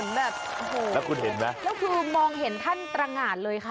แล้วคุณเห็นไหมแล้วคือมองเห็นท่านตรงหาดเลยค่ะ